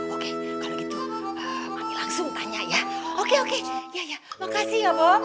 oke kalau gitu mami langsung tanya ya oke oke ya ya makasih ngomong